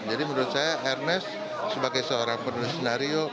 jadi menurut saya ernest sebagai seorang penulis senario